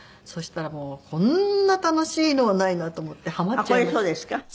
そしたらもうこんな楽しいのはないなと思ってハマっちゃいました。